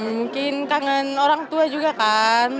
mungkin kangen orang tua juga kan